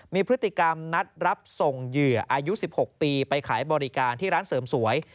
มีพฤติกรรมนัดรับส่งเหยื่ออายุ๑๖ปีไปขายบริการที่ร้านเสริมสวย